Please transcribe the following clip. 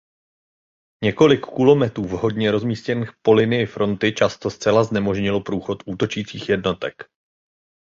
Několik kulometů vhodně rozmístěných po linii fronty často zcela znemožnilo průchod útočících jednotek.